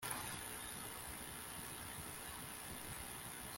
n umukozi wa leta bategura umusaruro w ibikorwa